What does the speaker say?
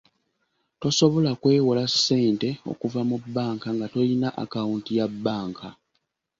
Tosobola kwewola ssente okuva mu banka nga toyina akawunti ya banka.